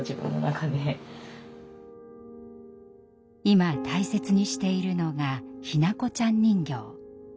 今大切にしているのが日向子ちゃん人形。